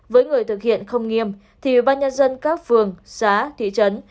với người thực hiện không nghiêm thì bác nhân dân các phường xã thị trấn